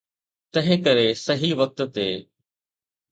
تنهنڪري صحيح وقت تي.